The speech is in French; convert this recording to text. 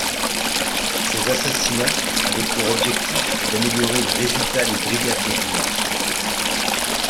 Ces assassinats avaient pour objectif d'améliorer les résultats des brigades de combat.